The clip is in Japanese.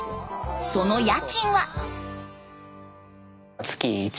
その家賃は？